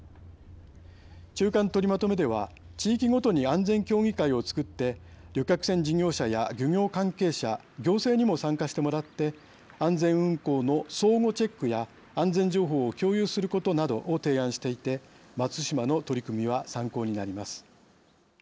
中間とりまとめでは地域ごとに安全協議会をつくって旅客船事業者や漁業関係者行政にも参加してもらって安全運航の相互チェックや安全情報を共有することなどを提案していて松島の取り組みは参考になります。